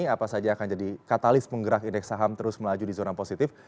apa saja akan jadi katalis penggerak indeks saham terus melaju di zona positif